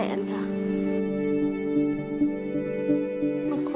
ไม่เป็นไรหรอก